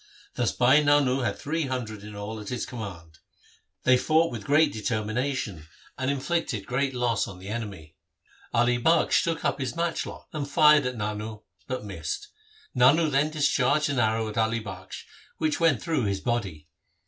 Thus Bhai Nano had three hundred in all at his command. They fought with great determination and inflicted great LIFE OF GURU HAR GOBIND in loss on the enemy. Ali Bakhsh took up his match lock and fired at Nano but missed him. Nano then discharged an arrow at Ali Bakhsh, which went through his body.